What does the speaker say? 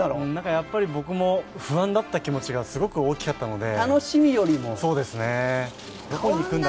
やっぱり僕も不安だった気持ちが、すごく大きかったので。